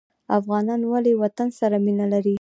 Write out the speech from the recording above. افغانان ولې وطن سره مینه لري؟